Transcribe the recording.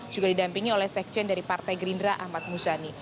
juga didampingi oleh sekjen dari partai gerindra ahmad muzani